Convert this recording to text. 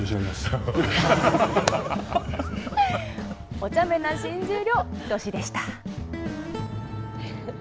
おちゃめな新十両・日翔志でした。